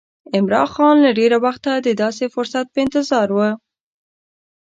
عمرا خان له ډېره وخته د داسې فرصت په انتظار و.